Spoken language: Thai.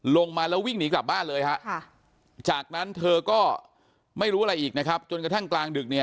ลงมาแล้ววิ่งหนีกลับบ้านเลยฮะจากนั้นเธอก็ไม่รู้อะไรอีกนะครับจนกระทั่งกลางดึกเนี่ย